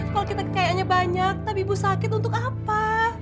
kalau kita kekayaannya banyak tapi ibu sakit untuk apa